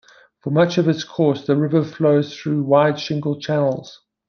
For much of its course the river flows through wide shingle channels.